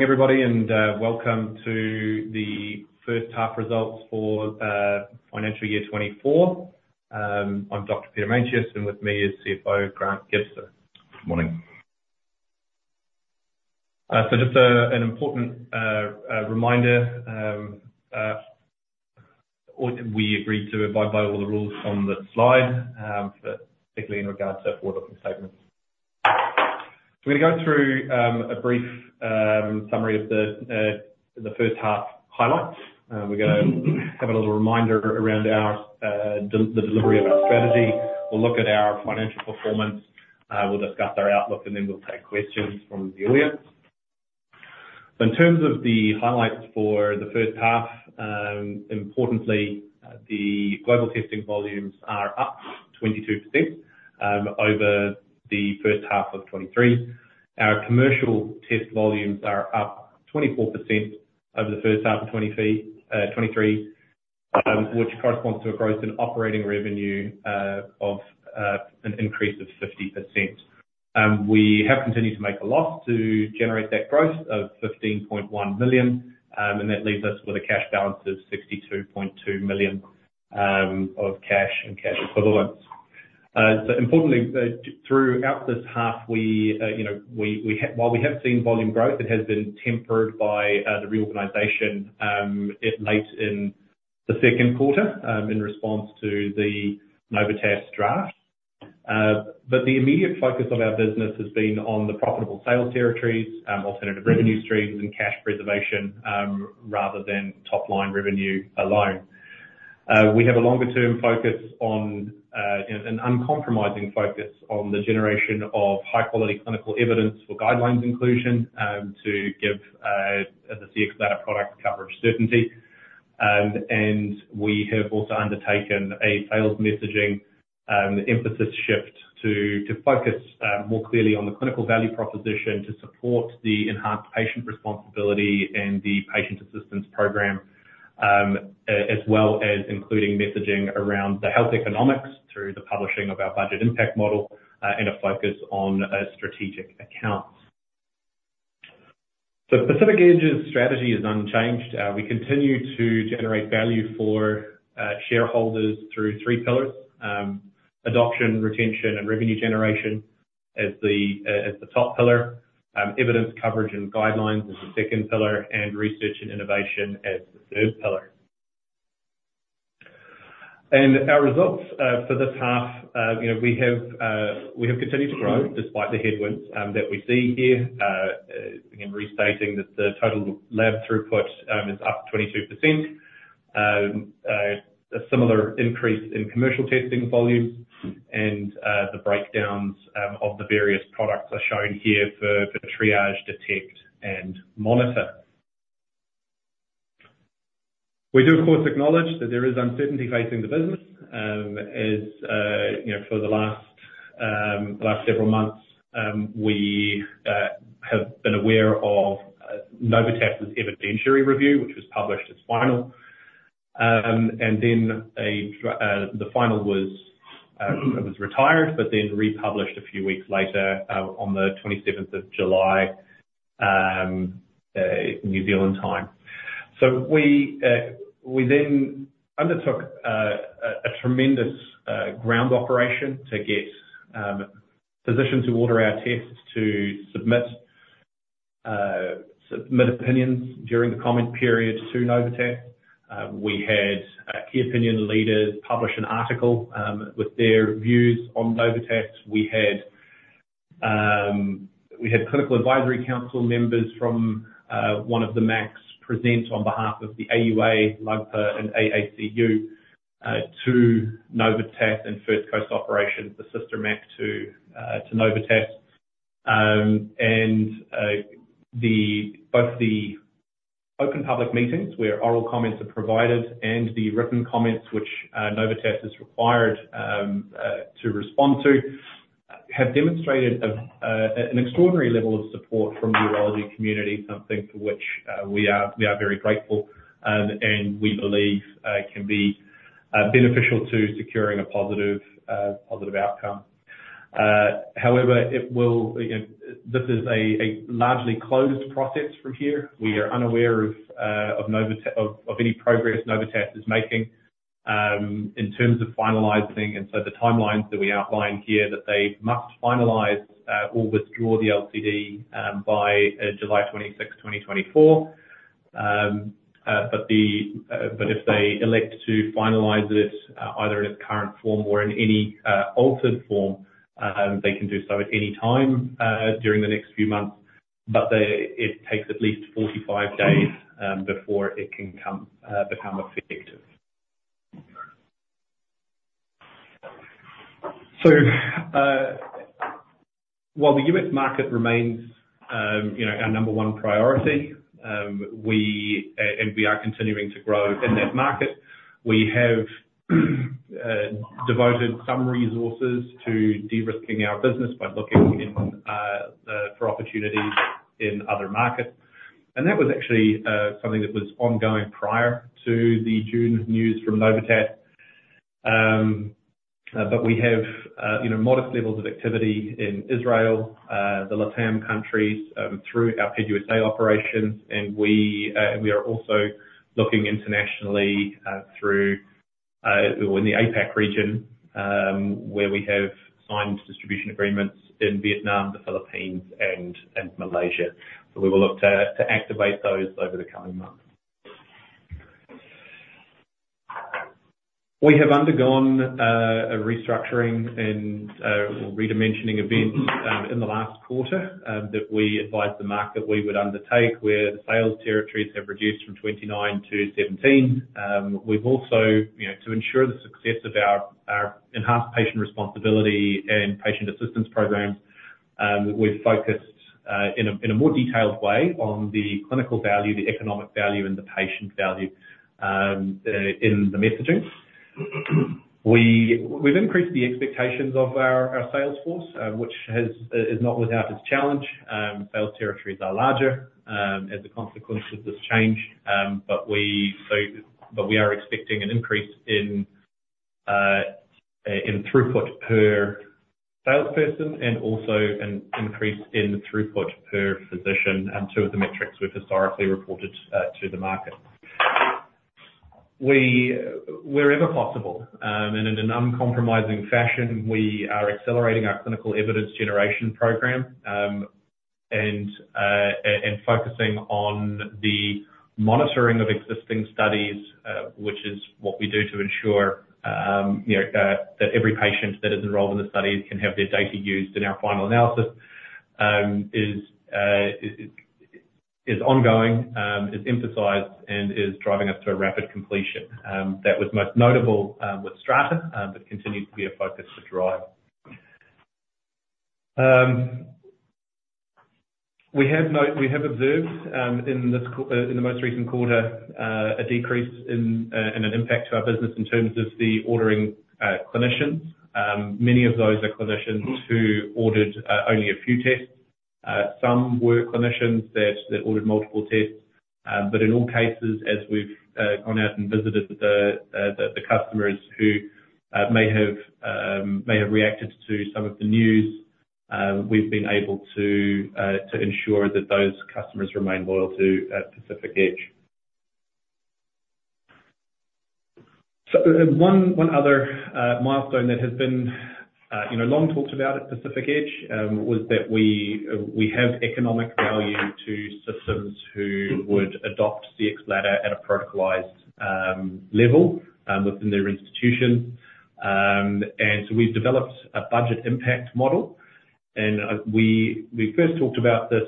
everybody, and welcome to the first half results for financial year 2024. I'm Dr. Peter Meintjes, and with me is CFO Grant Gibson. Good morning. So, just an important reminder, we agreed to abide by all the rules on the slide, but particularly in regards to forward-looking statements. We're gonna go through a brief summary of the first half highlights. We're gonna have a little reminder around the delivery of our strategy. We'll look at our financial performance, we'll discuss our outlook, and then we'll take questions from the audience. So in terms of the highlights for the first half, importantly, the global testing volumes are up 22% over the first half of 2023. Our commercial test volumes are up 24% over the first half of 2023, which corresponds to a growth in operating revenue of an increase of 50%. We have continued to make a loss to generate that growth of 15.1 million, and that leaves us with a cash balance of 62.2 million of cash and cash equivalents. So importantly, throughout this half, you know, we have—While we have seen volume growth, it has been tempered by the reorganization late in the second quarter in response to the Novitas draft. But the immediate focus of our business has been on the profitable sales territories, alternative revenue streams, and cash preservation rather than top-line revenue alone. We have a longer-term focus on, you know, an uncompromising focus on the generation of high-quality clinical evidence for guidelines inclusion to give the Cxbladder product coverage certainty. We have also undertaken a sales messaging emphasis shift to focus more clearly on the clinical value proposition to support the enhanced patient responsibility and the patient assistance program. As well as including messaging around the health economics through the publishing of our Budget Impact Model, and a focus on strategic accounts. Pacific Edge's strategy is unchanged. We continue to generate value for shareholders through three pillars, adoption, retention, and revenue generation as the top pillar, evidence, coverage, and guidelines as the second pillar, and research and innovation as the third pillar. Our results for this half, you know, we have continued to grow despite the headwinds that we see here. Again, restating that the total lab throughput is up 22%. A similar increase in commercial testing volumes and the breakdowns of the various products are shown here for the triage, detect, and monitor. We do, of course, acknowledge that there is uncertainty facing the business, as you know, for the last several months, we have been aware of Novitas's evidentiary review, which was published as final. And then the final was retired, but then republished a few weeks later, on the twenty-seventh of July, New Zealand time. So we then undertook a tremendous ground operation to get physicians who order our tests to submit opinions during the comment period to Novitas. We had key opinion leaders publish an article with their views on Novitas. We had clinical advisory council members from one of the MACs present on behalf of the AUA, LUGPA, and AACU to Novitas and First Coast Service Options, the sister MAC to Novitas. And both the open public meetings, where oral comments are provided, and the written comments, which Novitas is required to respond to, have demonstrated an extraordinary level of support from the urology community, something for which we are very grateful. And we believe can be beneficial to securing a positive outcome. However, it will again, this is a largely closed process from here. We are unaware of any progress Novitas is making in terms of finalizing, and so the timelines that we outline here, that they must finalize or withdraw the LCD by July twenty-sixth, 2024. But if they elect to finalize this either in its current form or in any altered form, they can do so at any time during the next few months, but they... It takes at least 45 days before it can become effective. So, while the U.S. market remains, you know, our number one priority, and we are continuing to grow in that market, we have devoted some resources to de-risking our business by looking in for opportunities in other markets. That was actually something that was ongoing prior to the June news from Novitas. But we have, you know, modest levels of activity in Israel, the LATAM countries, through our PEDUSA operations, and we are also looking internationally, through or in the APAC region, where we have signed distribution agreements in Vietnam, the Philippines, and Malaysia. So we will look to activate those over the coming months. We have undergone a restructuring and redimensioning event in the last quarter that we advised the market that we would undertake, where the sales territories have reduced from 29 to 17. We've also, you know, to ensure the success of our enhanced patient responsibility and patient assistance programs, we've focused in a more detailed way on the clinical value, the economic value, and the patient value in the messaging. We've increased the expectations of our sales force, which is not without its challenge. Sales territories are larger as a consequence of this change. But we are expecting an increase in throughput per salesperson and also an increase in throughput per physician, two of the metrics we've historically reported to the market. We, wherever possible, and in an uncompromising fashion, we are accelerating our clinical evidence generation program, and focusing on the monitoring of existing studies, which is what we do to ensure, you know, that every patient that is enrolled in the studies can have their data used in our final analysis. Is ongoing, is emphasized, and is driving us to a rapid completion. That was most notable with STRATA, but continues to be a focus for DRIVE. We have observed, in the most recent quarter, a decrease in an impact to our business in terms of the ordering clinicians. Many of those are clinicians who ordered only a few tests. Some were clinicians that ordered multiple tests. But in all cases, as we've gone out and visited the customers who may have reacted to some of the news, we've been able to ensure that those customers remain loyal to Pacific Edge. So, one other milestone that has been, you know, long talked about at Pacific Edge, was that we have economic value to systems who would adopt Cxbladder at a protocolized level within their institution. And so we've developed a budget impact model, and we first talked about this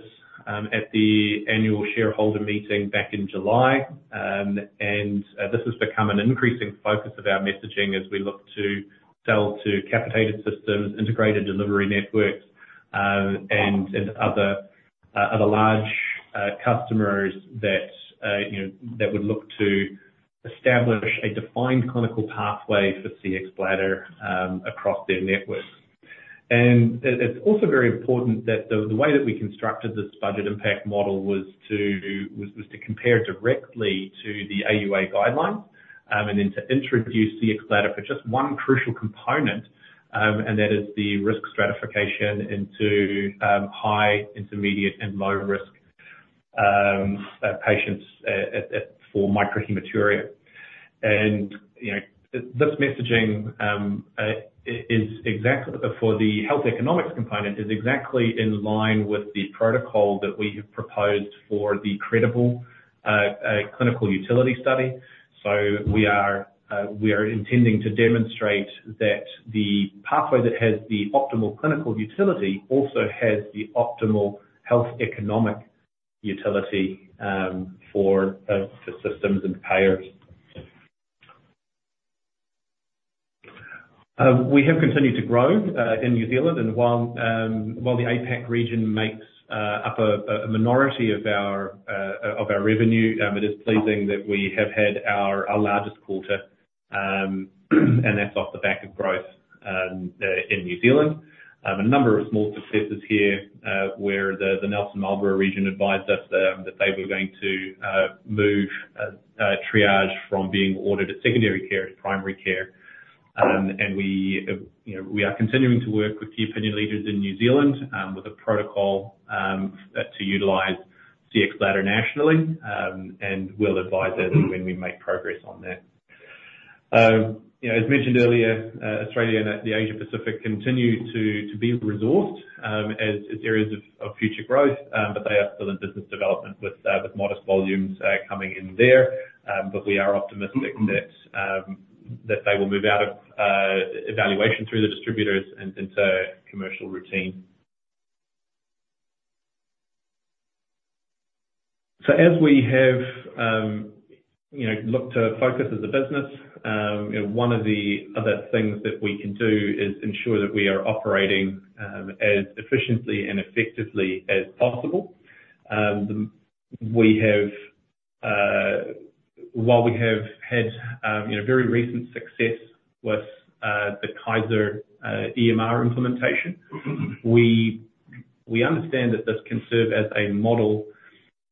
at the annual shareholder meeting back in July. And this has become an increasing focus of our messaging as we look to sell to capitated systems, integrated delivery networks, and other large customers that you know that would look to establish a defined clinical pathway for Cxbladder across their networks. And it is also very important that the way that we constructed this budget impact model was to compare directly to the AUA guidelines, and then to introduce Cxbladder for just one crucial component, and that is the risk stratification into high, intermediate, and low risk patients at risk for microhematuria. And you know this messaging for the health economics component is exactly in line with the protocol that we have proposed for the CREDIBLE clinical utility study. So we are intending to demonstrate that the pathway that has the optimal clinical utility also has the optimal health economic utility, for systems and payers. We have continued to grow in New Zealand, and while the APAC region makes up a minority of our revenue, it is pleasing that we have had our largest quarter, and that's off the back of growth in New Zealand. A number of small successes here, where the Nelson Marlborough region advised us that they were going to move triage from being ordered at secondary care to primary care. And we, you know, we are continuing to work with key opinion leaders in New Zealand, with a protocol, to utilize Cxbladder nationally, and we'll advise everyone when we make progress on that. You know, as mentioned earlier, Australia and the Asia Pacific continue to be resourced as areas of future growth, but they are still in business development with modest volumes coming in there. But we are optimistic that they will move out of evaluation through the distributors and into commercial routine. So as we have, you know, looked to focus as a business, you know, one of the other things that we can do is ensure that we are operating as efficiently and effectively as possible. We have... While we have had, you know, very recent success with the Kaiser EMR implementation, we understand that this can serve as a model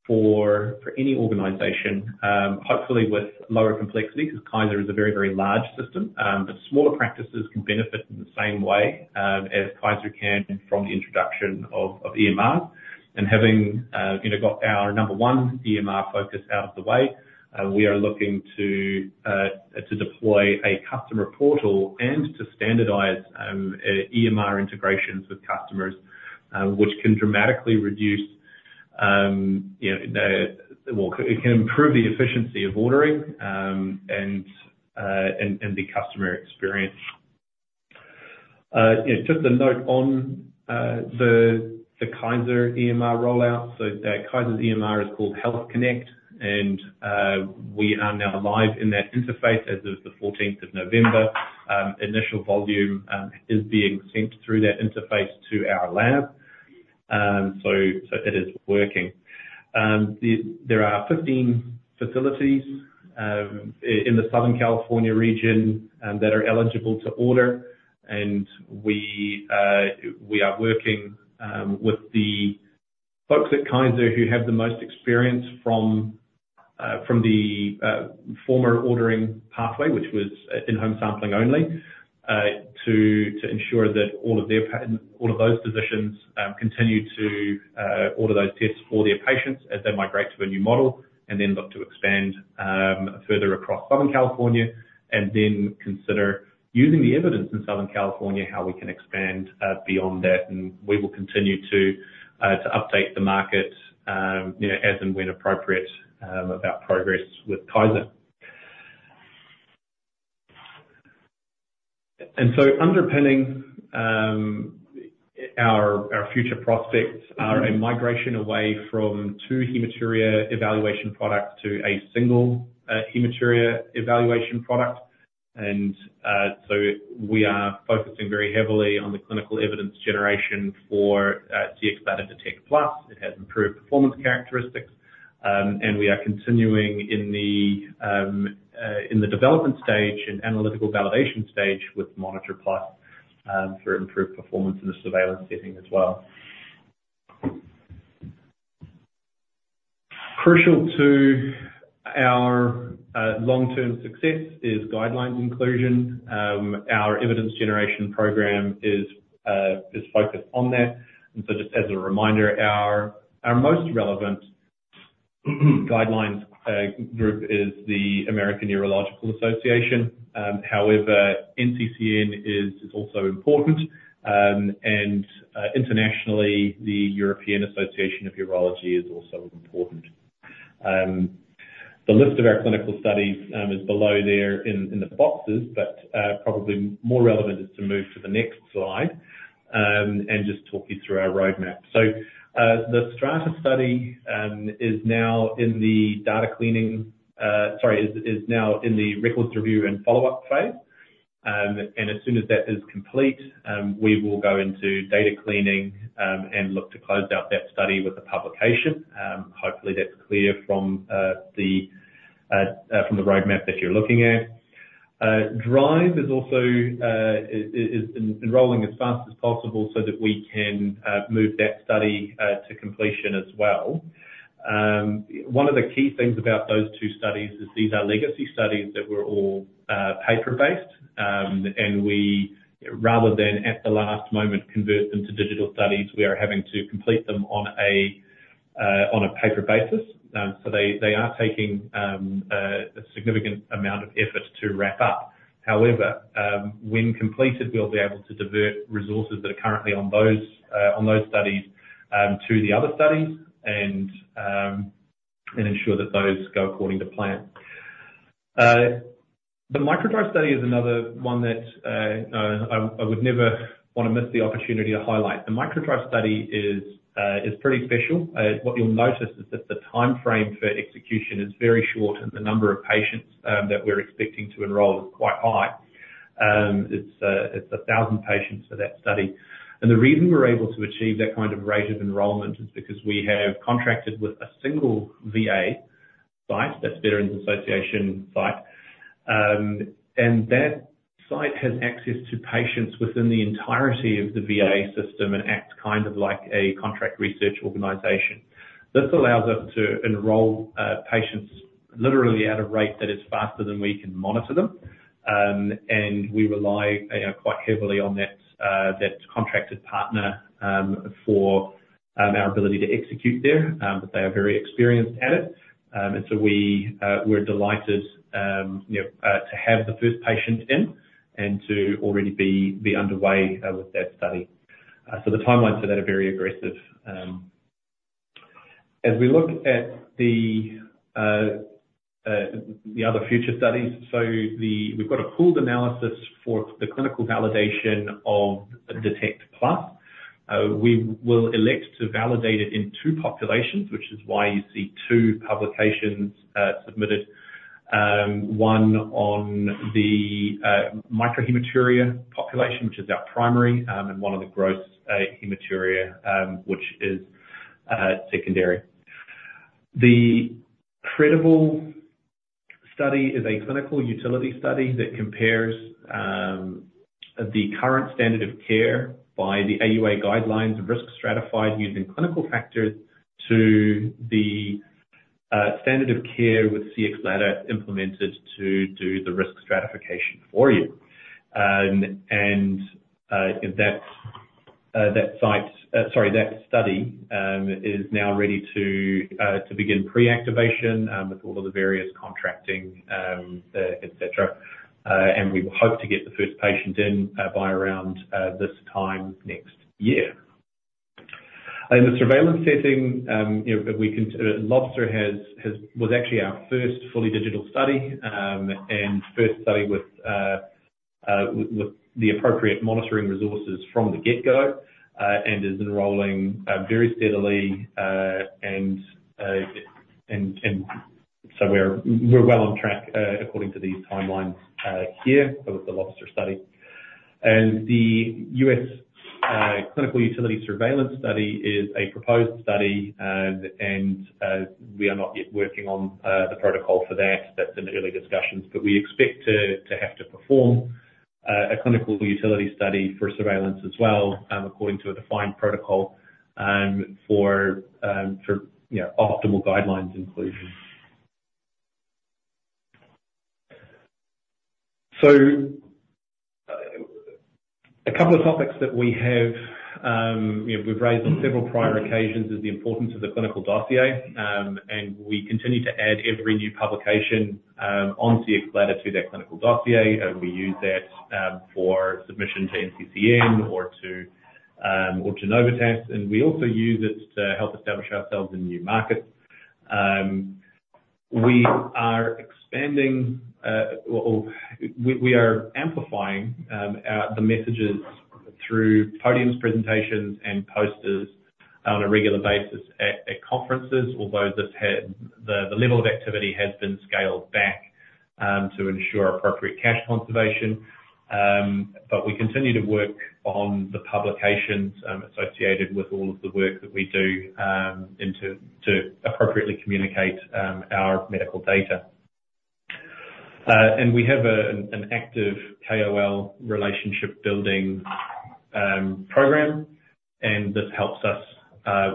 for any organization, hopefully with lower complexity, because Kaiser is a very, very large system. But smaller practices can benefit in the same way as Kaiser can from the introduction of EMR. And having, you know, got our number one EMR focus out of the way, we are looking to deploy a customer portal and to standardize EMR integrations with customers, which can dramatically reduce, you know, well, it can improve the efficiency of ordering and the customer experience. Just a note on the Kaiser EMR rollout. So Kaiser's EMR is called HealthConnect, and we are now live in that interface as of the fourteenth of November. Initial volume is being sent through that interface to our lab, so it is working. There are 15 facilities in the Southern California region that are eligible to order, and we are working with the folks at Kaiser who have the most experience from the former ordering pathway, which was in-home sampling only, to ensure that all of those physicians continue to order those tests for their patients as they migrate to a new model, and then look to expand further across Southern California. And then consider using the evidence in Southern California, how we can expand beyond that. We will continue to update the market, you know, as and when appropriate, about progress with Kaiser. So underpinning our future prospects are a migration away from two hematuria evaluation products to a single hematuria evaluation product. So we are focusing very heavily on the clinical evidence generation for Cxbladder Detect Plus. It has improved performance characteristics, and we are continuing in the development stage and analytical validation stage with Monitor Plus, for improved performance in a surveillance setting as well. Crucial to our long-term success is guidelines inclusion. Our evidence generation program is focused on that. So just as a reminder, our most relevant guidelines group is the American Urological Association. However, NCCN is also important, and internationally, the European Association of Urology is also important. The list of our clinical studies is below there in the boxes, but probably more relevant is to move to the next slide, and just talk you through our roadmap. So, the STRATA Study is now in the data cleaning, sorry, is now in the records review and follow-up phase. And as soon as that is complete, we will go into data cleaning, and look to close out that study with a publication. Hopefully, that's clear from the roadmap that you're looking at. DRIVE is also enrolling as fast as possible so that we can move that study to completion as well. One of the key things about those two studies is these are legacy studies that were all paper-based, and we, rather than at the last moment, convert them to digital studies, we are having to complete them on a paper basis. So they are taking a significant amount of effort to wrap up. However, when completed, we'll be able to divert resources that are currently on those studies to the other studies, and ensure that those go according to plan. The MicroDrive Study is another one that I would never want to miss the opportunity to highlight. The MicroDrive Study is pretty special. What you'll notice is that the timeframe for execution is very short, and the number of patients that we're expecting to enroll is quite high. It's 1,000 patients for that study. And the reason we're able to achieve that kind of rate of enrollment is because we have contracted with a single VA site, that's Veterans Administration site. And that site has access to patients within the entirety of the VA system and acts kind of like a contract research organization. This allows us to enroll patients literally at a rate that is faster than we can monitor them. And we rely quite heavily on that contracted partner for our ability to execute there. But they are very experienced at it. And so we're delighted, you know, to have the first patient in and to already be underway with that study. So the timelines for that are very aggressive. As we look at the other future studies, we've got a pooled analysis for the clinical validation of Detect Plus. We will elect to validate it in two populations, which is why you see two publications submitted, one on the microhematuria population, which is our primary, and one on the gross hematuria, which is secondary.... The CREDIBLE Study is a clinical utility study that compares the current standard of care by the AUA guidelines, risk stratified using clinical factors to the standard of care with Cxbladder implemented to do the risk stratification for you. And that site, sorry, that study, is now ready to begin pre-activation, with all of the various contracting, et cetera. And we hope to get the first patient in by around this time next year. And the surveillance setting, you know, that we consider Lobster has was actually our first fully digital study, and first study with the appropriate monitoring resources from the get-go, and is enrolling very steadily, and so we're well on track according to these timelines here with the LOBSTER study. And the U.S. clinical utility surveillance study is a proposed study, and we are not yet working on the protocol for that. That's in early discussions, but we expect to have to perform a clinical utility study for surveillance as well, according to a defined protocol, for you know, optimal guidelines inclusion. So a couple of topics that we have, you know, we've raised on several prior occasions, is the importance of the clinical dossier. And we continue to add every new publication on Cxbladder to that clinical dossier, and we use that for submission to NCCN or to AUA, and we also use it to help establish ourselves in new markets. We are expanding or we are amplifying the messages through podiums, presentations, and posters on a regular basis at conferences. Although the level of activity has been scaled back to ensure appropriate cash conservation. But we continue to work on the publications associated with all of the work that we do and to appropriately communicate our medical data. We have an active KOL relationship building program, and this helps us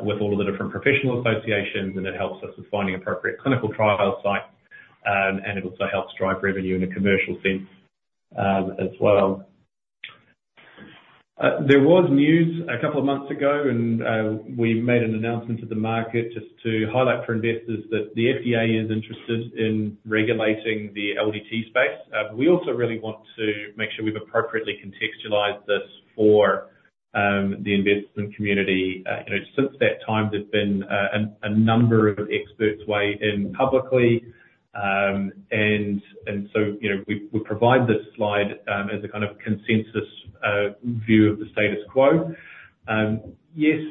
with all of the different professional associations, and it helps us with finding appropriate clinical trial sites, and it also helps drive revenue in a commercial sense as well. There was news a couple of months ago, and we made an announcement to the market just to highlight for investors that the FDA is interested in regulating the LDT space. But we also really want to make sure we've appropriately contextualized this for the investment community. You know, since that time, there's been a number of experts weigh in publicly. And so, you know, we provide this slide as a kind of consensus view of the status quo. Yes,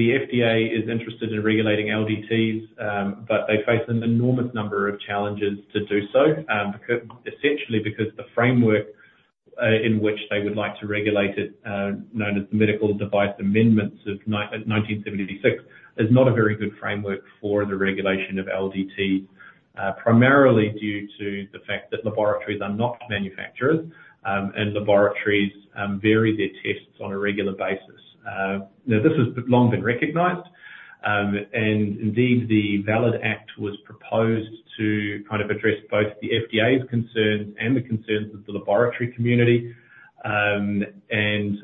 the FDA is interested in regulating LDTs, but they face an enormous number of challenges to do so. Essentially, because the framework in which they would like to regulate it, known as the Medical Device Amendments of 1976, is not a very good framework for the regulation of LDT. Primarily due to the fact that laboratories are not manufacturers, and laboratories vary their tests on a regular basis. Now, this has long been recognized, and indeed, the VALID Act was proposed to kind of address both the FDA's concerns and the concerns of the laboratory community. And,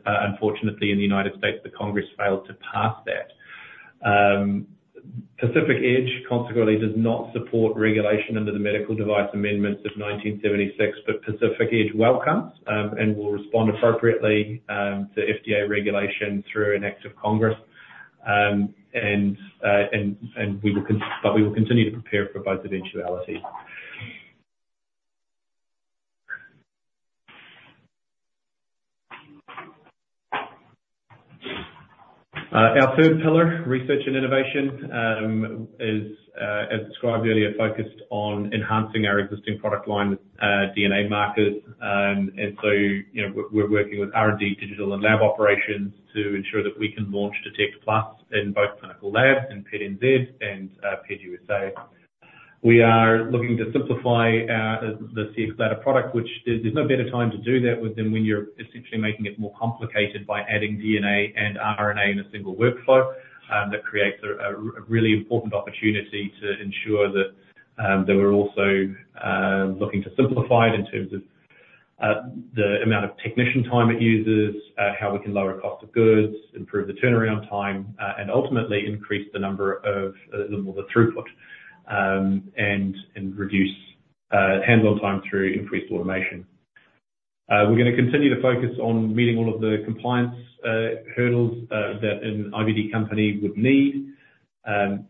unfortunately, in the United States, the Congress failed to pass that. Pacific Edge, consequently, does not support regulation under the Medical Device Amendments of 1976, but Pacific Edge welcomes, and will respond appropriately, to FDA regulation through an act of Congress. But we will continue to prepare for both eventualities. Our third pillar, research and innovation, is, as described earlier, focused on enhancing our existing product line with, DNA markers. And so, you know, we're, we're working with R&D, digital and lab operations to ensure that we can launch Detect+ in both clinical labs, in PEDNZ and, PUSA. We are looking to simplify, the, the Cxbladder product, which there's, there's no better time to do that with than when you're essentially making it more complicated by adding DNA and RNA in a single workflow. That creates a really important opportunity to ensure that we're also looking to simplify it in terms of the amount of technician time it uses, how we can lower cost of goods, improve the turnaround time, and ultimately increase the number of, well, the throughput, and reduce handle time through increased automation. We're gonna continue to focus on meeting all of the compliance hurdles that an IVD company would need. And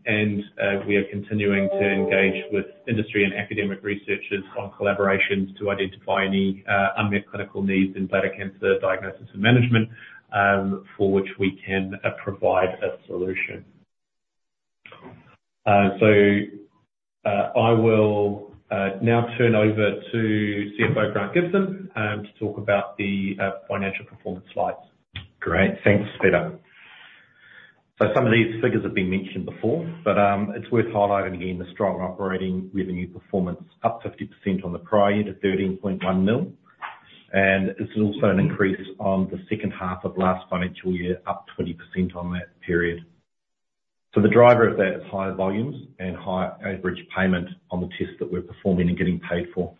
we are continuing to engage with industry and academic researchers on collaborations to identify any unmet clinical needs in bladder cancer diagnosis and management, for which we can provide a solution. I will now turn over to CFO, Grant Gibson, to talk about the financial performance slides. Great. Thanks, Peter. So some of these figures have been mentioned before, but, it's worth highlighting again, the strong operating revenue performance, up 50% on the prior year to 13.1 million. And it's also an increase on the second half of last financial year, up 20% on that period. So the driver of that is higher volumes and high average payment on the tests that we're performing and getting paid for.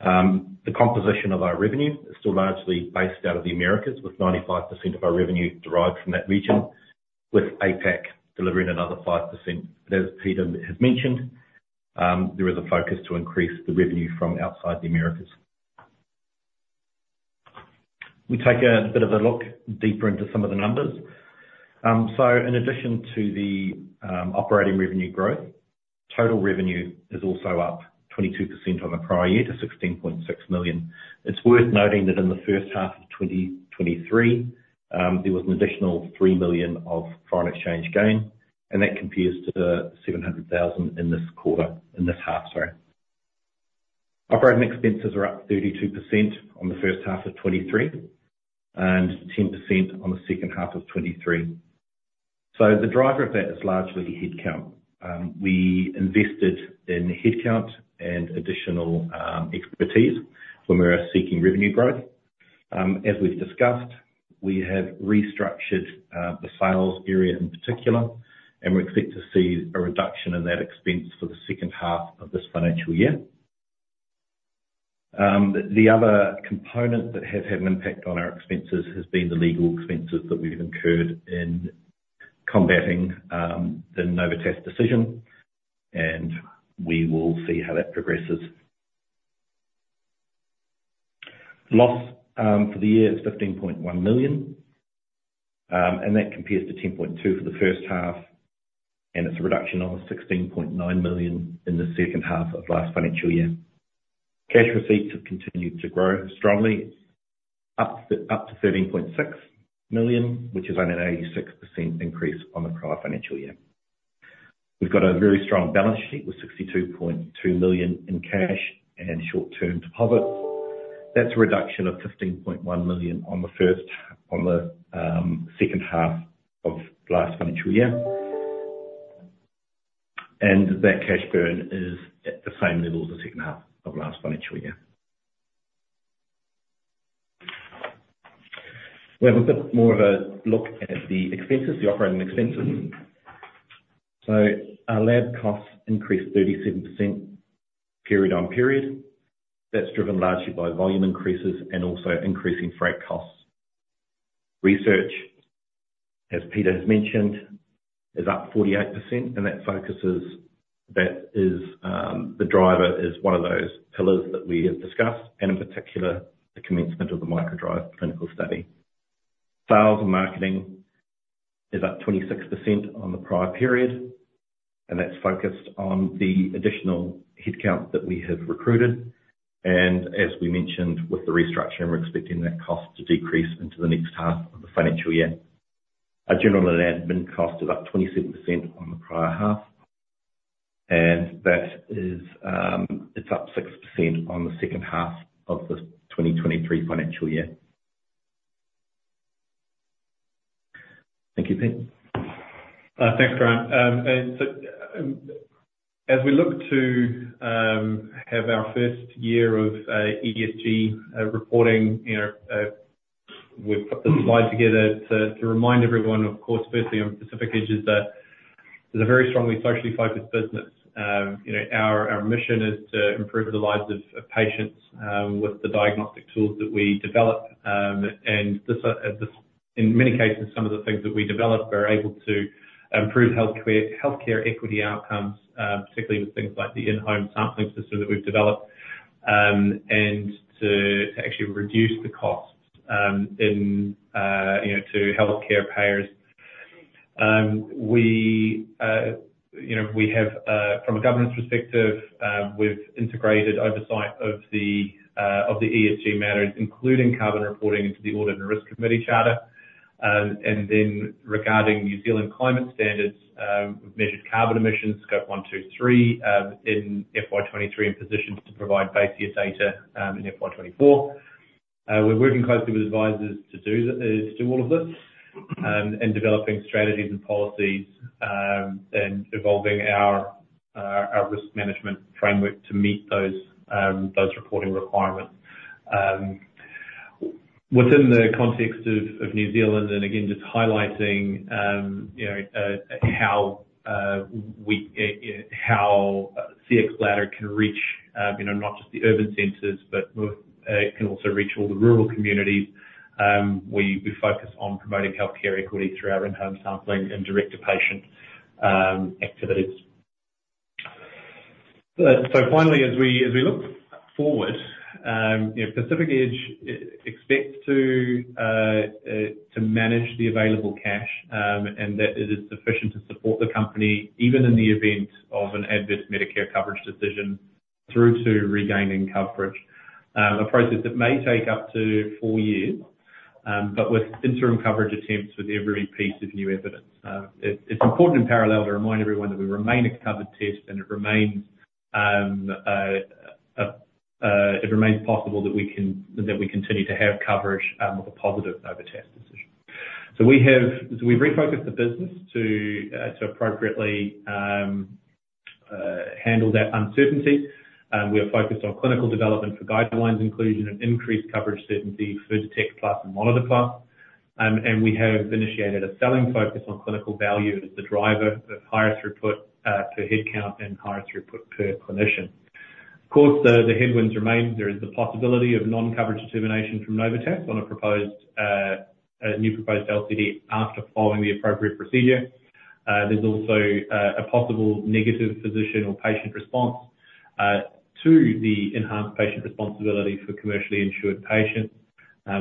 The composition of our revenue is still largely based out of the Americas, with 95% of our revenue derived from that region, with APAC delivering another 5%. But as Peter has mentioned, there is a focus to increase the revenue from outside the Americas. We take a bit of a look deeper into some of the numbers. So in addition to the operating revenue growth, total revenue is also up 22% on the prior year to 16.6 million. It's worth noting that in the first half of 2023, there was an additional 3 million of foreign exchange gain, and that compares to 700 thousand in this half, sorry. Operating expenses are up 32% on the first half of 2023, and 10% on the second half of 2023. So the driver of that is largely headcount. We invested in headcount and additional expertise when we were seeking revenue growth. As we've discussed, we have restructured the sales area in particular, and we expect to see a reduction in that expense for the second half of this financial year. The other component that has had an impact on our expenses has been the legal expenses that we've incurred in combating the Novitas decision, and we will see how that progresses. Loss for the year is 15.1 million, and that compares to 10.2 million for the first half, and it's a reduction of 16.9 million in the second half of last financial year. Cash receipts have continued to grow strongly, up to 13.6 million, which is an 86% increase on the prior financial year. We've got a very strong balance sheet with 62.2 million in cash and short-term deposits. That's a reduction of 15.1 million on the second half of last financial year. That cash burn is at the same level as the second half of last financial year. We have a bit more of a look at the expenses, the operating expenses. Our lab costs increased 37% period on period. That's driven largely by volume increases and also increasing freight costs. Research, as Peter has mentioned, is up 48%, and that focuses, that is, the driver is one of those pillars that we have discussed, and in particular, the commencement of the MicroDrive Study. Sales and marketing is up 26% on the prior period, and that's focused on the additional headcount that we have recruited. As we mentioned, with the restructuring, we're expecting that cost to decrease into the next half of the financial year. Our general and admin cost is up 27% on the prior half, and that is, it's up 6% on the second half of the 2023 financial year. Thank you, Peter. Thanks, Grant. And so, as we look to have our first year of ESG reporting, you know, we've put the slide together to remind everyone, of course, firstly, on Pacific Edge is that it's a very strongly socially focused business. You know, our mission is to improve the lives of patients with the diagnostic tools that we develop, and this in many cases, some of the things that we develop are able to improve healthcare equity outcomes, particularly with things like the in-home sampling system that we've developed, and to actually reduce the costs in, you know, to healthcare payers. You know, we have, from a governance perspective, we've integrated oversight of the ESG matters, including carbon reporting into the Audit and Risk Committee charter. Then regarding New Zealand climate standards, we've measured carbon emissions, Scope 1, 2, 3, in FY 2023, and positioned to provide base year data, in FY 2024. We're working closely with advisors to do to do all of this, and developing strategies and policies, and evolving our risk management framework to meet those reporting requirements. Within the context of New Zealand, and again, just highlighting, you know, how we how Cxbladder can reach, you know, not just the urban centers, but it can also reach all the rural communities, we focus on promoting healthcare equity through our in-home sampling and direct-to-patient activities. So finally, as we look forward, you know, Pacific Edge expects to manage the available cash, and that it is sufficient to support the company, even in the event of an adverse Medicare coverage decision, through to regaining coverage. A process that may take up to four years. But with interim coverage attempts with every piece of new evidence. It's important in parallel to remind everyone that we remain a covered test, and it remains possible that we can continue to have coverage with a positive Novitas decision. So we've refocused the business to appropriately handle that uncertainty. We are focused on clinical development for guidelines inclusion and increased coverage certainty for Detect+ and Monitor+. And we have initiated a selling focus on clinical value as the driver of higher throughput per headcount and higher throughput per clinician. Of course, the headwinds remain. There is the possibility of non-coverage determination from Novitas on a new proposed LCD after following the appropriate procedure. There's also a possible negative physician or patient response to the enhanced patient responsibility for commercially insured patients,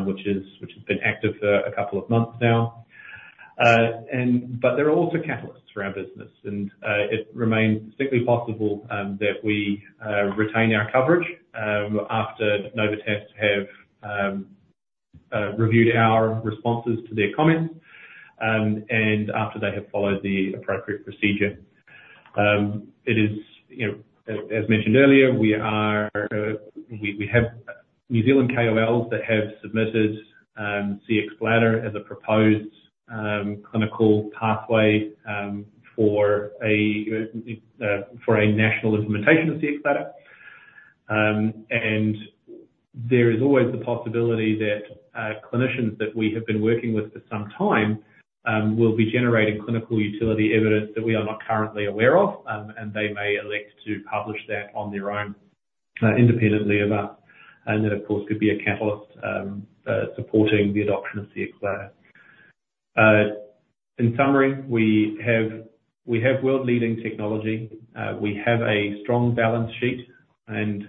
which has been active for a couple of months now. But there are also catalysts for our business, and it remains strictly possible that we retain our coverage after Novitas have reviewed our responses to their comments, and after they have followed the appropriate procedure. It is, you know, as mentioned earlier, we have New Zealand KOLs that have submitted Cxbladder as a proposed clinical pathway for a national implementation of Cxbladder. And there is always the possibility that clinicians that we have been working with for some time will be generating clinical utility evidence that we are not currently aware of. And they may elect to publish that on their own, independently of us, and that, of course, could be a catalyst supporting the adoption of Cxbladder. In summary, we have, we have world-leading technology, we have a strong balance sheet, and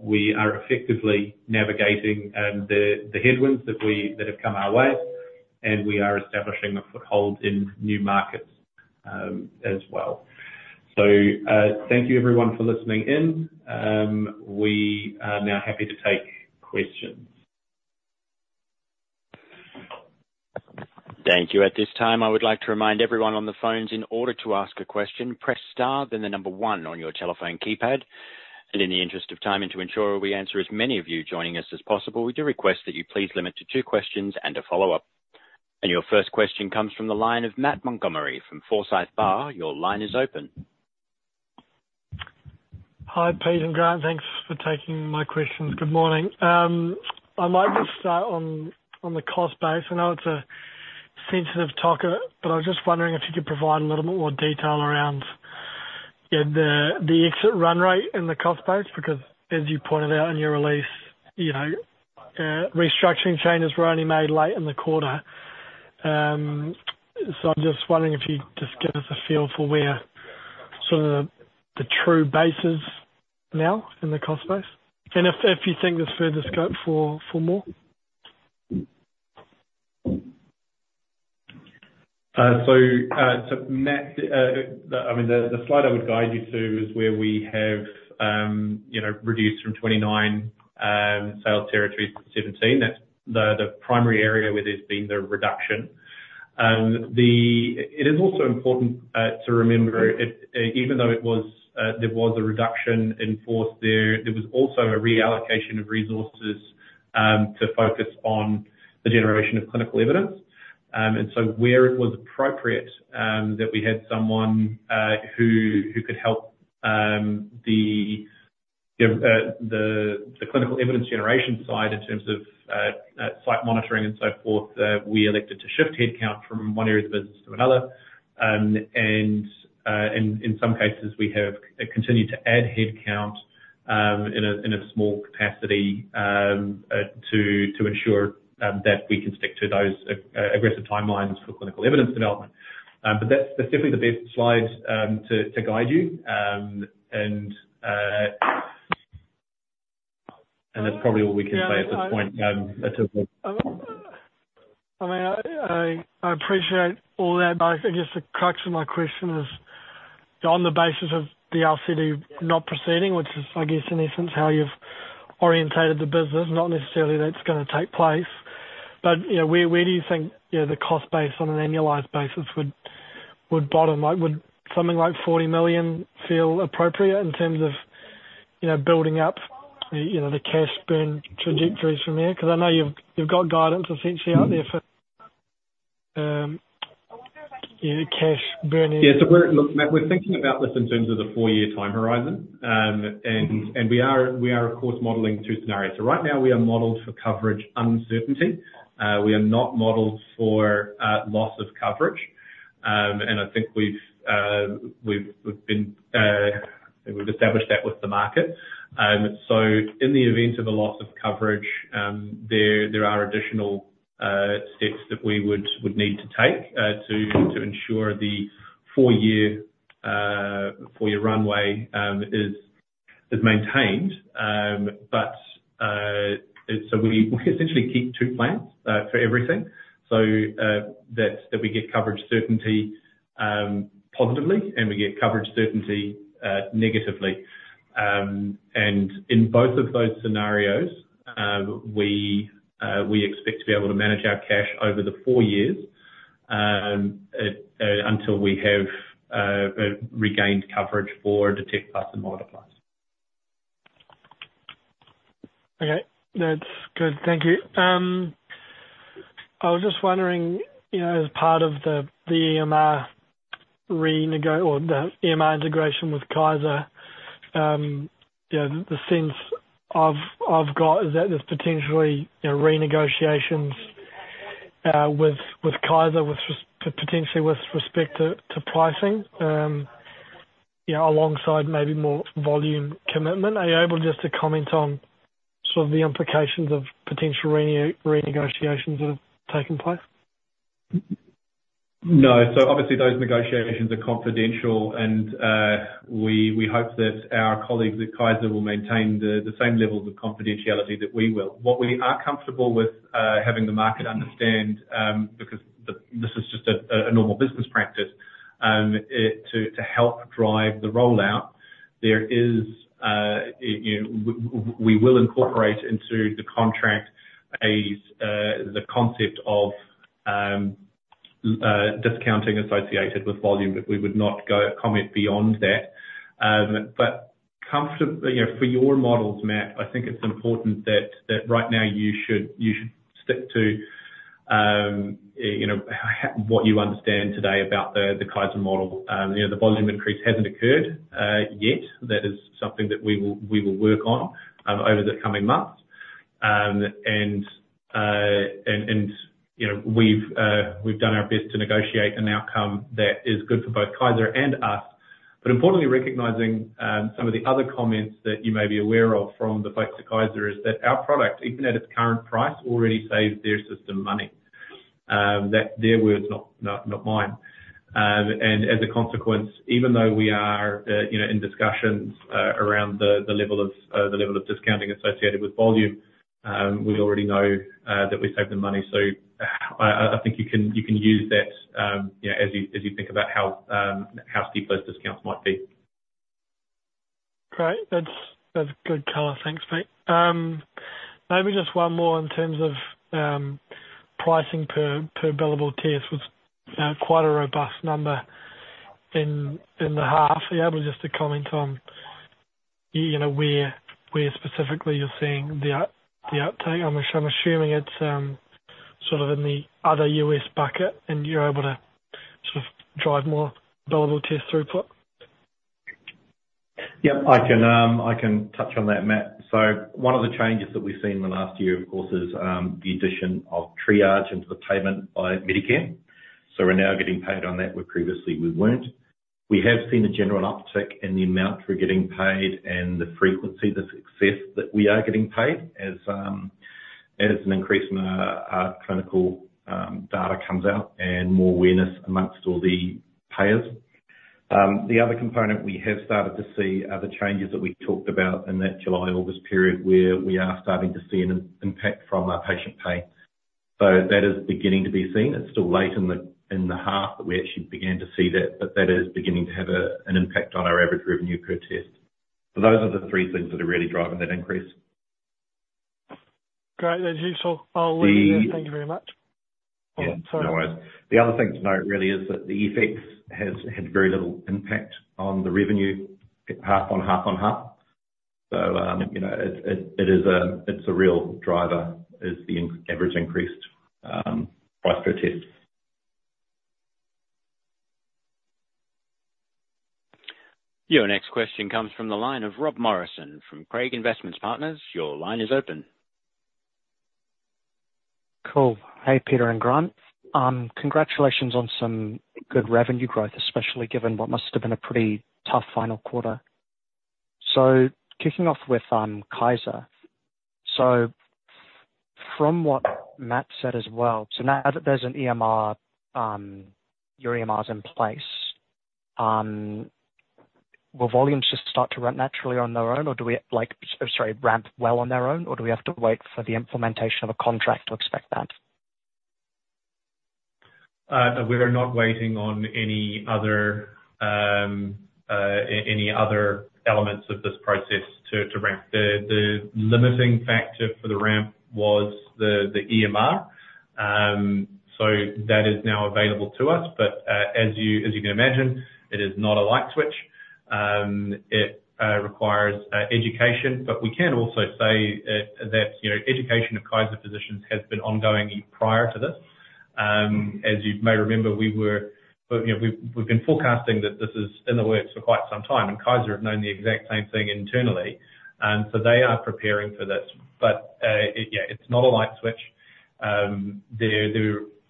we are effectively navigating the headwinds that we have come our way, and we are establishing a foothold in new markets, as well. So, thank you everyone for listening in. We are now happy to take questions. Thank you. At this time, I would like to remind everyone on the phones, in order to ask a question, press star, then the number one on your telephone keypad. And in the interest of time and to ensure we answer as many of you joining us as possible, we do request that you please limit to two questions and a follow-up. And your first question comes from the line of Matt Montgomerie from Forsyth Barr. Your line is open. Hi, Pete and Grant. Thanks for taking my questions. Good morning. I might just start on the cost base. I know it's a sensitive topic, but I was just wondering if you could provide a little more detail around, you know, the exit run rate in the cost base. Because as you pointed out in your release, you know, restructuring changes were only made late in the quarter. So I'm just wondering if you'd just give us a feel for where sort of the true base is now in the cost base, and if you think there's further scope for more? So, Matt, I mean, the slide I would guide you to is where we have, you know, reduced from 29 sales territories to 17. That's the primary area where there's been the reduction. It is also important to remember, even though it was, there was a reduction in force there, there was also a reallocation of resources to focus on the generation of clinical evidence. And so where it was appropriate, that we had someone who could help the clinical evidence generation side in terms of site monitoring and so forth, we elected to shift headcount from one area of the business to another. And in some cases, we have continued to add headcount in a small capacity to ensure that we can stick to those aggressive timelines for clinical evidence development. But that's definitely the best slide to guide you. And that's probably all we can say at this point, until the- I mean, I, I appreciate all that, but I guess the crux of my question is, on the basis of the LCD not proceeding, which is, I guess, in essence, how you've orientated the business, not necessarily that it's gonna take place. But, you know, where, where do you think, you know, the cost base on an annualized basis would, would bottom out? Would something like 40 million feel appropriate in terms of, you know, building up the, you know, the cash burn trajectories from there? Because I know you've, you've got guidance essentially out there for, your cash burn in. Yeah, so we're looking, Matt, we're thinking about this in terms of the four-year time horizon. And we are, of course, modeling two scenarios. So right now, we are modeled for coverage uncertainty. We are not modeled for loss of coverage. And I think we've established that with the market. So in the event of a loss of coverage, there are additional steps that we would need to take to ensure the four-year runway is maintained. But so we essentially keep two plans for everything. So that we get coverage certainty positively, and we get coverage certainty negatively. In both of those scenarios, we expect to be able to manage our cash over the four years until we have regained coverage for Detect Plus and Monitor Plus. Okay, that's good. Thank you. I was just wondering, you know, as part of the, the EMR renegotiation or the EMR integration with Kaiser, you know, the, the sense I've, I've got is that there's potentially, you know, renegotiations with, with Kaiser, with res- potentially with respect to, to pricing, you know, alongside maybe more volume commitment. Are you able just to comment on sort of the implications of potential renegotiations that have taken place? No. So obviously those negotiations are confidential, and we hope that our colleagues at Kaiser will maintain the same levels of confidentiality that we will. What we are comfortable with, having the market understand, because this is just a normal business practice, to help drive the rollout, we will incorporate into the contract the concept of discounting associated with volume, but we would not comment beyond that. But you know, for your models, Matt, I think it's important that right now you should stick to, you know, what you understand today about the Kaiser model. You know, the volume increase hasn't occurred yet. That is something that we will work on over the coming months. And, you know, we've done our best to negotiate an outcome that is good for both Kaiser and us. But importantly, recognizing some of the other comments that you may be aware of from the folks at Kaiser, is that our product, even at its current price, already saves their system money. That's their words, not mine. And as a consequence, even though we are, you know, in discussions around the level of discounting associated with volume, we already know that we save them money. So I think you can use that, you know, as you think about how steep those discounts might be. Great. That's good color. Thanks, Pete. Maybe just one more in terms of pricing per billable test was quite a robust number in the half. Are you able just to comment on, you know, where specifically you're seeing the uptake? I'm assuming it's sort of in the other U.S. bucket, and you're able to sort of drive more billable test throughput. Yep, I can, I can touch on that, Matt. So one of the changes that we've seen in the last year, of course, is the addition of triage into the payment by Medicare. So we're now getting paid on that, where previously we weren't. We have seen a general uptick in the amount we're getting paid and the frequency, the success that we are getting paid, as an increase in our clinical data comes out and more awareness amongst all the payers. The other component we have started to see are the changes that we talked about in that July-August period, where we are starting to see an impact from our patient pay. So that is beginning to be seen. It's still late in the half that we actually began to see that, but that is beginning to have an impact on our average revenue per test. So those are the three things that are really driving that increase. Great. As usual, I'll leave it there. The- Thank you very much. Yeah. Sorry. No worries. The other thing to note really is that the effects has had very little impact on the revenue half on half on half. So, you know, it, it, it is a, it's a real driver, is the average increased price per test. Your next question comes from the line of Rob Morrison from Craigs Investment Partners. Your line is open. Cool. Hey, Peter and Grant. Congratulations on some good revenue growth, especially given what must have been a pretty tough final quarter. So kicking off with Kaiser. So from what Matt said as well, so now that there's an EMR, your EMR's in place, will volumes just start to run naturally on their own, or do we like... Sorry, ramp well on their own, or do we have to wait for the implementation of a contract to expect that? We are not waiting on any other, any other elements of this process to ramp. The limiting factor for the ramp was the EMR. So that is now available to us, but, as you can imagine, it is not a light switch. It requires education. But we can also say that, you know, education of Kaiser physicians has been ongoing prior to this. As you may remember, we were, you know, we've been forecasting that this is in the works for quite some time, and Kaiser have known the exact same thing internally, and so they are preparing for this. But, yeah, it's not a light switch.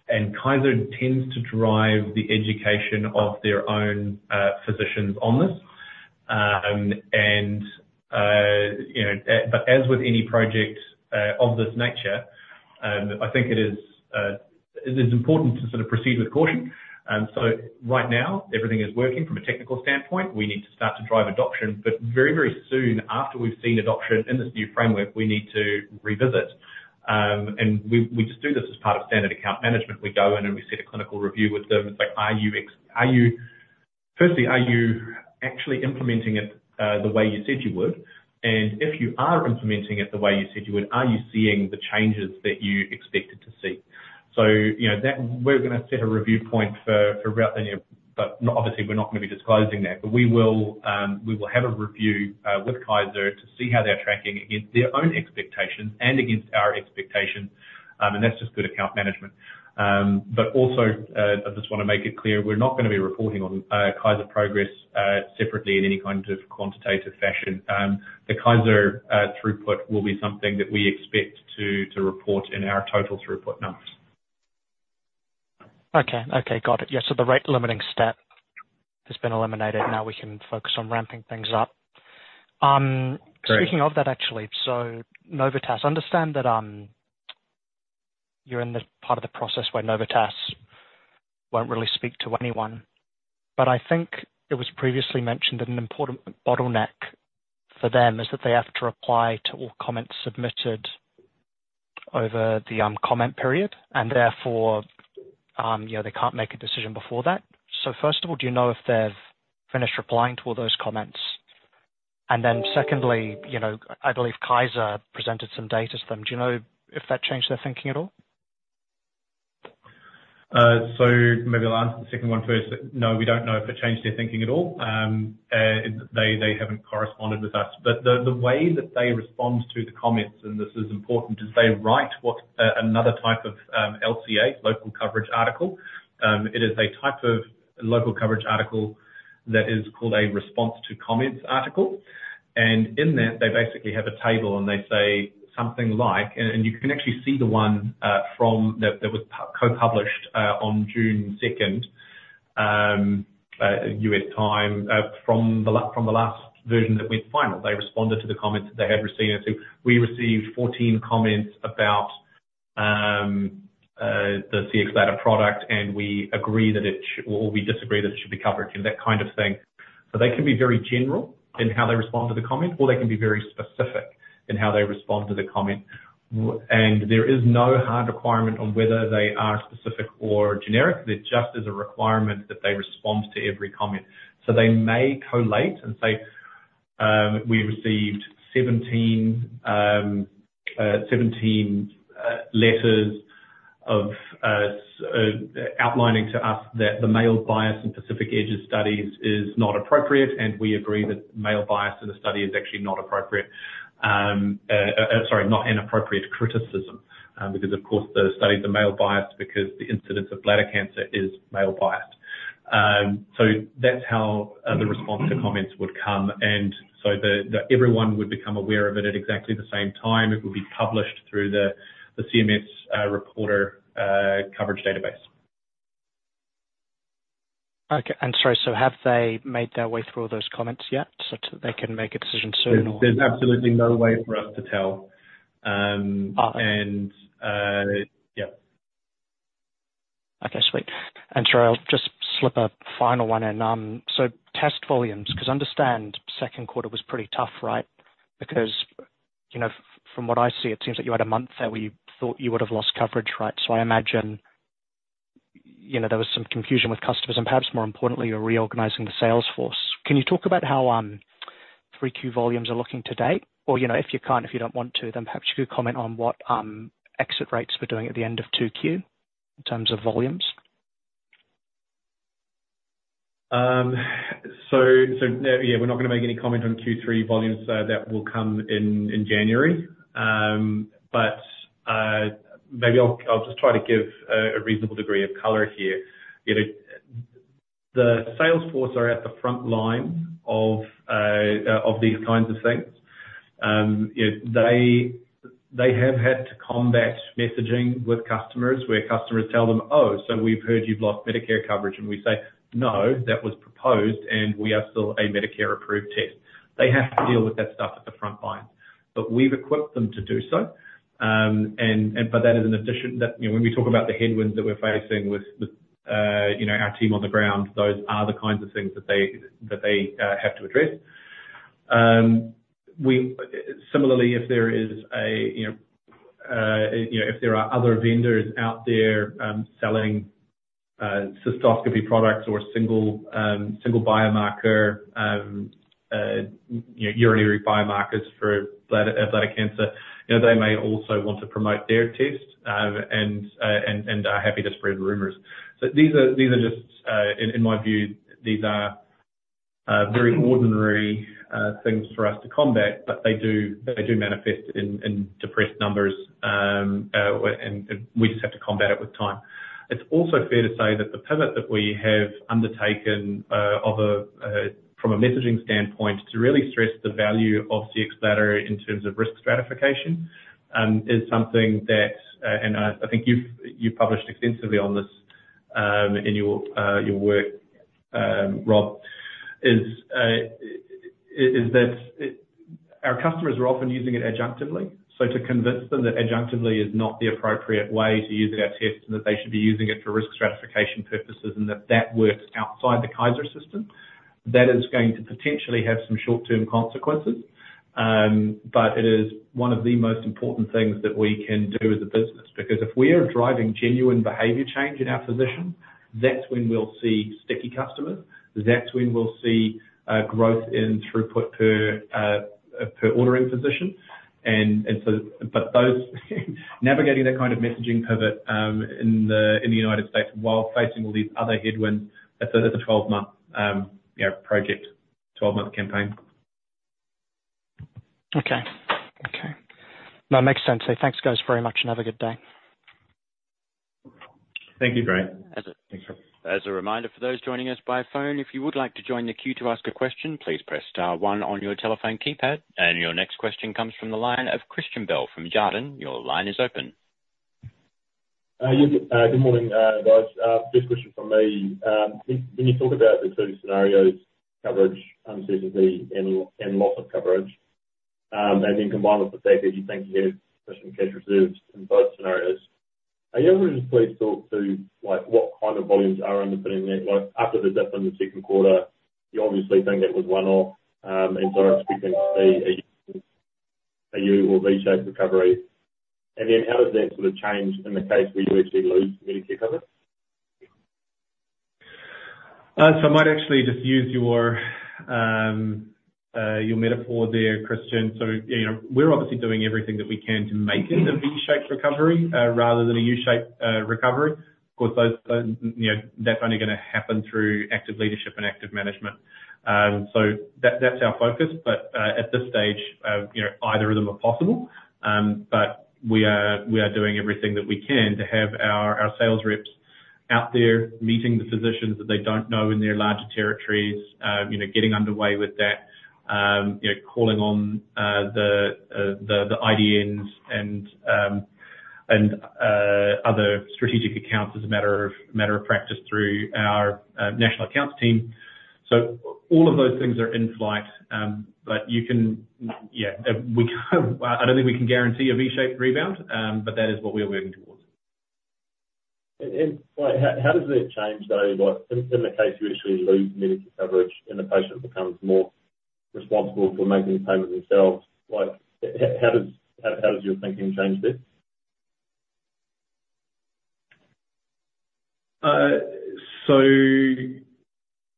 And Kaiser tends to drive the education of their own physicians on this. And, you know, but as with any project of this nature, I think it is important to sort of proceed with caution. So right now, everything is working from a technical standpoint. We need to start to drive adoption, but very, very soon after we've seen adoption in this new framework, we need to revisit. And we just do this as part of standard account management. We go in, and we set a clinical review with them and say: firstly, are you actually implementing it the way you said you would? And if you are implementing it the way you said you would, are you seeing the changes that you expected to see? So you know, that we're gonna set a review point for roughly a year, but obviously, we're not going to be disclosing that. But we will have a review with Kaiser to see how they're tracking against their own expectations and against our expectations, and that's just good account management. But also, I just want to make it clear, we're not going to be reporting on Kaiser progress separately in any kind of quantitative fashion. The Kaiser throughput will be something that we expect to report in our total throughput numbers. Okay, okay, got it. Yeah, so the rate limiting step has been eliminated. Now we can focus on ramping things up. Great. Speaking of that, actually, so Novitas understand that, you're in the part of the process where Novitas won't really speak to anyone. But I think it was previously mentioned that an important bottleneck for them is that they have to reply to all comments submitted over the, comment period, and therefore, you know, they can't make a decision before that. So first of all, do you know if they've finished replying to all those comments? And then secondly, you know, I believe Kaiser presented some data to them. Do you know if that changed their thinking at all? So maybe I'll answer the second one first. No, we don't know if it changed their thinking at all. They haven't corresponded with us. But the way that they respond to the comments, and this is important, is they write another type of LCA, Local Coverage Article. It is a type of Local Coverage Article that is called a Response to Comments Article, and in that, they basically have a table, and they say something like... You can actually see the one from that that was co-published on June second, U.S. time, from the last version that went final. They responded to the comments that they had received. And so we received 14 comments about the Cxbladder product, and we agree that it or we disagree that it should be covered, and that kind of thing. So they can be very general in how they respond to the comment, or they can be very specific in how they respond to the comment. And there is no hard requirement on whether they are specific or generic. There just is a requirement that they respond to every comment. So they may collate and say, we received 17 letters outlining to us that the male bias in Pacific Edge's studies is not appropriate, and we agree that male bias in the study is actually not appropriate. Sorry, not inappropriate criticism, because, of course, the study is a male bias because the incidence of bladder cancer is male biased. So that's how the response to comments would come, and so everyone would become aware of it at exactly the same time. It will be published through the CMS reporter coverage database. Okay. Sorry, so have they made their way through all those comments yet so that they can make a decision soon or? There's absolutely no way for us to tell. Oh. Yeah. Okay, sweet. I'll just slip a final one in. Test volumes, because I understand second quarter was pretty tough, right? Because, you know, from what I see, it seems like you had a month there where you thought you would have lost coverage, right? So I imagine, you know, there was some confusion with customers, and perhaps more importantly, you're reorganizing the sales force. Can you talk about how 3Q volumes are looking to date? Or, you know, if you can't, if you don't want to, then perhaps you could comment on what exit rates were doing at the end of 2Q in terms of volumes. So, yeah, we're not gonna make any comment on Q3 volumes. That will come in January. But maybe I'll just try to give a reasonable degree of color here. You know, the sales force are at the front line of these kinds of things. You know, they have had to combat messaging with customers, where customers tell them, "Oh, so we've heard you've lost Medicare coverage." And we say: No, that was proposed, and we are still a Medicare-approved test. They have to deal with that stuff at the front line, but we've equipped them to do so. But that is an addition that... You know, when we talk about the headwinds that we're facing with, you know, our team on the ground, those are the kinds of things that they have to address. Similarly, if there is a, you know, you know, if there are other vendors out there, selling cystoscopy products or single biomarker, you know, urinary biomarkers for bladder cancer, you know, they may also want to promote their test, and are happy to spread rumors. So these are just, in my view, these are very ordinary things for us to combat, but they do manifest in depressed numbers, and we just have to combat it with time. It's also fair to say that the pivot that we have undertaken, from a messaging standpoint, to really stress the value of Cxbladder in terms of risk stratification, is something that, and I think you've published extensively on this, in your work, Rob, is that our customers are often using it adjunctively. So to convince them that adjunctively is not the appropriate way to use our test and that they should be using it for risk stratification purposes, and that that works outside the Kaiser system... That is going to potentially have some short-term consequences, but it is one of the most important things that we can do as a business. Because if we are driving genuine behavior change in our physicians, that's when we'll see sticky customers, that's when we'll see growth in throughput per per ordering physician. But those navigating that kind of messaging pivot in the United States while facing all these other headwinds, that's a it's a 12-month you know project, 12-month campaign. Okay. Okay. No, makes sense. So thanks, guys, very much, and have a good day. Thank you, Grant. As- Thanks, Grant. As a reminder for those joining us by phone, if you would like to join the queue to ask a question, please press star one on your telephone keypad. Your next question comes from the line of Christian Bell from Jarden. Your line is open. Yes, good morning, guys. First question from me. When you talk about the two scenarios, coverage, CCP and loss of coverage, and then combined with the fact that you think you have sufficient cash reserves in both scenarios, are you able to just please talk to, like, what kind of volumes are underpinning that? Like, after the dip in the second quarter, you obviously think that was one-off, and so are expecting to see a U- or V-shaped recovery. Then how does that sort of change in the case where you actually lose Medicare coverage? So I might actually just use your metaphor there, Christian. So, you know, we're obviously doing everything that we can to make it a V-shaped recovery rather than a U-shaped recovery. Of course, those, you know, that's only gonna happen through active leadership and active management. So that, that's our focus. But at this stage, you know, either of them are possible. But we are doing everything that we can to have our sales reps out there, meeting the physicians that they don't know in their larger territories. You know, getting underway with that, you know, calling on the IDNs and other strategic accounts as a matter of practice through our national accounts team. So all of those things are in flight, but we can't, I don't think we can guarantee a V-shaped rebound, but that is what we are working towards. So how does that change, though, like in the case you actually lose Medicare coverage, and the patient becomes more responsible for making the payment themselves? Like, how does your thinking change there?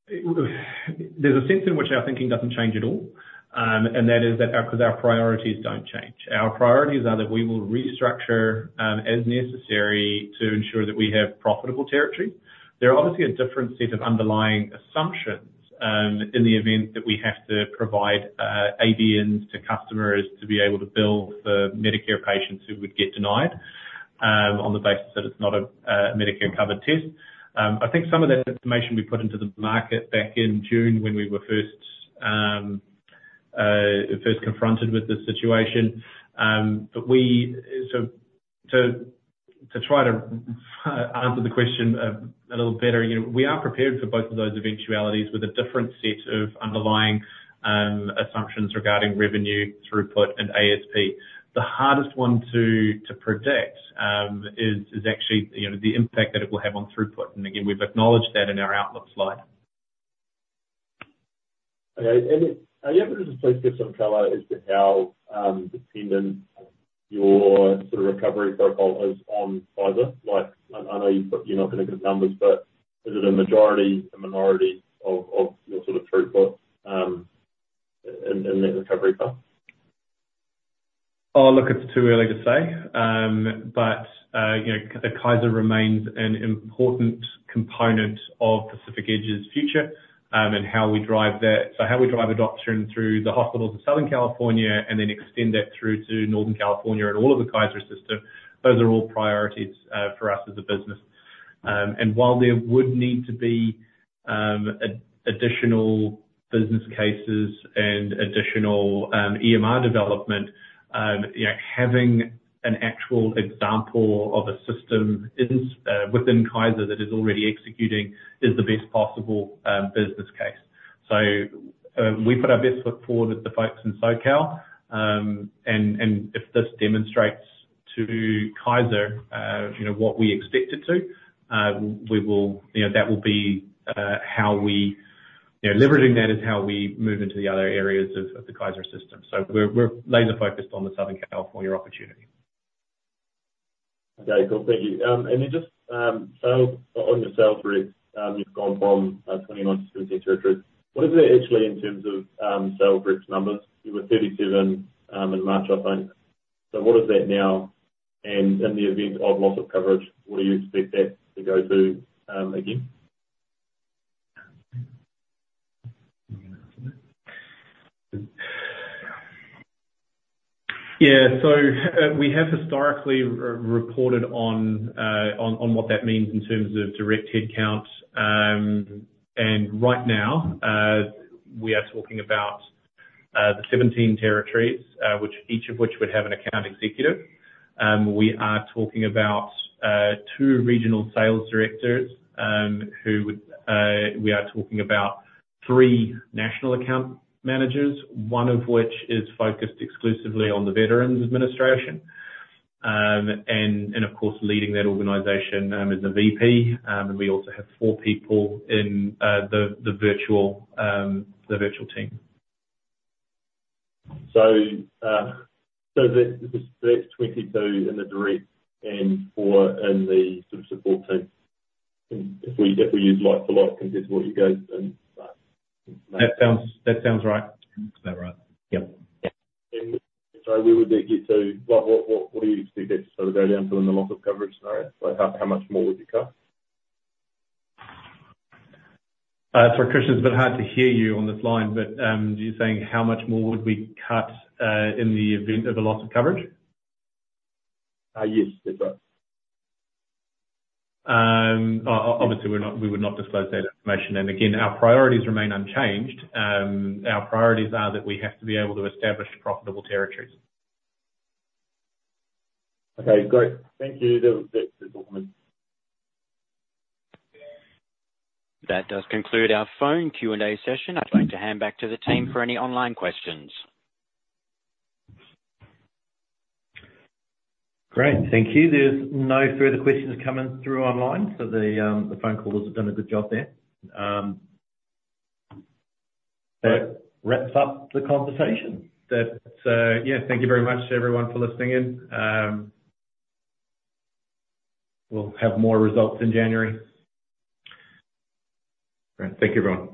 There's a sense in which our thinking doesn't change at all, and that is that our priorities don't change because our priorities don't change. Our priorities are that we will restructure as necessary to ensure that we have profitable territory. There are obviously a different set of underlying assumptions in the event that we have to provide ABNs to customers to be able to bill for Medicare patients who would get denied on the basis that it's not a Medicare-covered test. I think some of that information we put into the market back in June when we were first confronted with this situation. So to try to answer the question a little better, you know, we are prepared for both of those eventualities with a different set of underlying assumptions regarding revenue, throughput, and ASP. The hardest one to predict is actually, you know, the impact that it will have on throughput. Again, we've acknowledged that in our outlook slide. Okay. And are you able to just give some color as to how dependent your sort of recovery protocol is on Kaiser? Like, I know you're not gonna give numbers, but is it a majority, a minority of your sort of throughput in that recovery path? Oh, look, it's too early to say. But you know, Kaiser remains an important component of Pacific Edge's future, and how we drive that. So how we drive adoption through the hospitals of Southern California and then extend that through to Northern California and all of the Kaiser system, those are all priorities for us as a business. And while there would need to be additional business cases and additional EMR development, you know, having an actual example of a system within Kaiser that is already executing is the best possible business case. So we put our best foot forward with the folks in SoCal, and if this demonstrates to Kaiser what we expect it to, we will... You know, leveraging that is how we move into the other areas of the Kaiser system. So we're laser focused on the Southern California opportunity. Okay, cool. Thank you. And then just, sales, on your sales reps, you've gone from 29 to 17 territories. What is it actually in terms of sales reps numbers? You were 37 in March, I think. So what is that now? And in the event of loss of coverage, where do you expect that to go to, again? Yeah. So, we have historically reported on what that means in terms of direct headcount. And right now, we are talking about the 17 territories, which each of which would have an account executive. We are talking about 2 regional sales directors, who would, we are talking about 3 national account managers, one of which is focused exclusively on the Veterans Administration. And, of course, leading that organization, is a VP, and we also have 4 people in the virtual team. So, that's 22 in the direct and 4 in the sort of support team, if we use like for like, compared to what you guys then— That sounds right. That's about right. Yep. Where would that get to? What do you expect it to sort of go down to in the loss of coverage scenario? Like, how much more would you cut? Sorry, Christian, it's a bit hard to hear you on this line, but you're saying how much more would we cut in the event of a loss of coverage? Yes, that's right. Obviously, we're not—we would not disclose that information. And again, our priorities remain unchanged. Our priorities are that we have to be able to establish profitable territories. Okay, great. Thank you. That's it for me. That does conclude our phone Q&A session. I'd like to hand back to the team for any online questions. Great. Thank you. There's no further questions coming through online, so the phone callers have done a good job there. That wraps up the conversation. That, yeah, thank you very much, everyone, for listening in. We'll have more results in January. Great. Thank you, everyone.